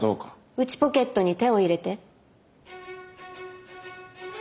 内ポケットに手を入れて？